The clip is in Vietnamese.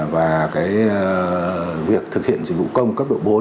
và việc thực hiện dịch vụ công cấp độ bốn